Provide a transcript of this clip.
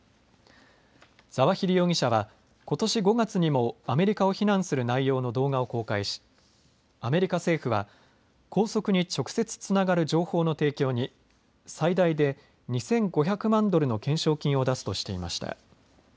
ザワヒリ容疑者はことし５月にもアメリカを非難する内容の動画を公開し、アメリカ政府は拘束に直接つながる情報の提供に最大で２５００万ドルの懸賞金を出すとしていました。